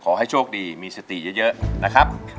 ขอให้โชคดีมีสติเยอะนะครับ